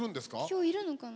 今日いるのかな？